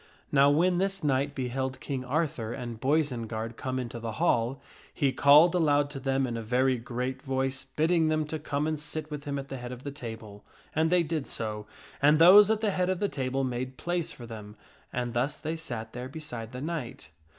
; Now when this knight beheld King Arthur and Boisenard come into the hall, he called aloud to them in a very great voice bidding them to come and sit with him at the head of the table ; and they did so, and those at the head of the table made place for them, and thus they sat there beside the knight.